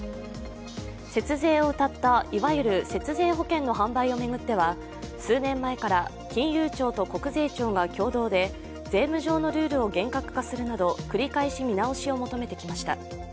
節税をうたったいわゆる節税保険の販売を巡っては数年前から金融庁と国税庁が共同で税務上のルールを厳格化するなど繰り返し見直しを求めてきました。